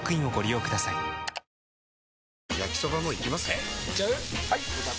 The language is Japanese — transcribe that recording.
えいっちゃう？